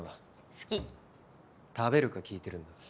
好き食べるか聞いてるんだ